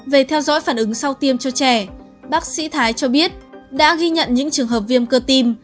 về theo dõi phản ứng sau tiêm cho trẻ bác sĩ thái cho biết đã ghi nhận những trường hợp viêm cơ tim